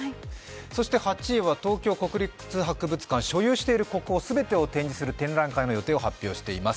そして８位は東京国立博物館、所有している国宝を全てを展示する展覧会の予定を発表しています。